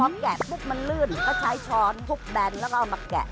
พอแกะปุ๊บมันลื่นก็ใช้ช้อนทุบแบนแล้วก็เอามาแกะ